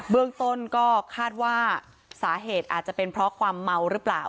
เรื่องต้นก็คาดว่าสาเหตุอาจจะเป็นเพราะความเมาหรือเปล่า